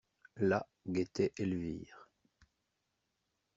Là, guettait Elvire.